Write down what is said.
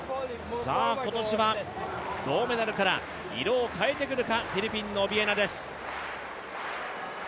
今年は銅メダルから色を変えてくるか、フィリピンのオビエナです。